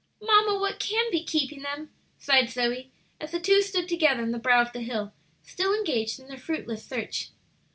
"Mamma, what can be keeping them?" sighed Zoe, as the two stood together on the brow of the hill, still engaged in their fruitless search.